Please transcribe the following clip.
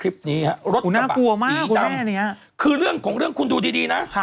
รถฝั่งสีดำหน้ากลัวสีดำคือเรื่องของเรื่องคุณดูดีนะ